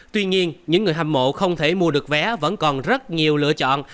tuy nhiên những người hâm mộ không thể mua được vé vẫn còn rất nhiều lựa chọn